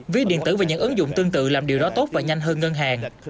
ví điện tử và những ứng dụng tương tự làm điều đó tốt và nhanh hơn ngân hàng